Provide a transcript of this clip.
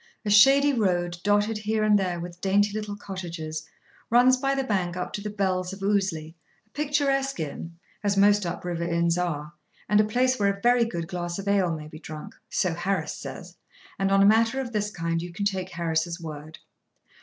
A shady road, dotted here and there with dainty little cottages, runs by the bank up to the "Bells of Ouseley," a picturesque inn, as most up river inns are, and a place where a very good glass of ale may be drunk—so Harris says; and on a matter of this kind you can take Harris's word.